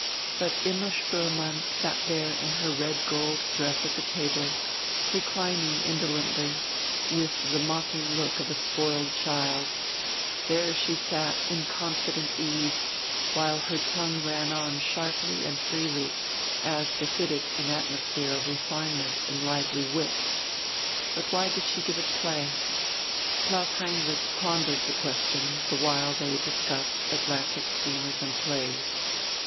But Imma Spoelmann sat there in her red gold dress at the table, reclining indolently, with the mocking look of a spoiled child; there she sat in confident ease, while her tongue ran on sharply and freely, as befitted an atmosphere of refinement and lively wit. But why did she give it play? Klaus Heinrich pondered the question, the while they discussed Atlantic steamers and plays.